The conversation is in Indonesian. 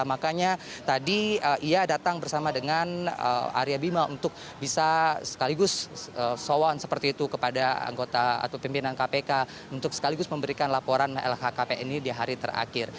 makanya tadi ia datang bersama dengan arya bima untuk bisa sekaligus sowon seperti itu kepada anggota atau pimpinan kpk untuk sekaligus memberikan laporan lhkpn ini di hari terakhir